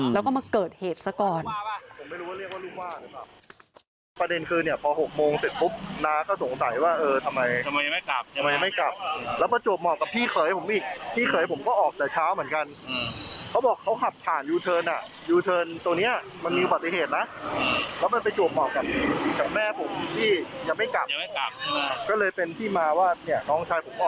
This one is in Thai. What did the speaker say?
แล้วก็มาเกิดเหตุซะก่อน